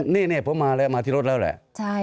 นี่ผมมาที่รถแล้วแหละ